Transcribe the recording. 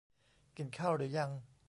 กินข้าวหรือยัง